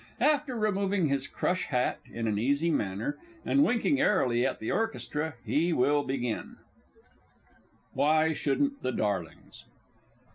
After removing his crush hat in an easy manner, and winking airily at the orchestra, he will begin_: WHY SHOULDN'T THE DARLINGS?